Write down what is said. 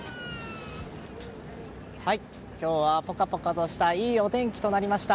今日はポカポカとしたいいお天気となりました。